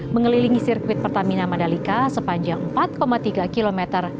mengelilingi sirkuit pertamina mandalika sepanjang empat tiga km